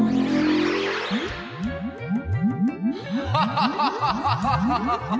ハハハハハ！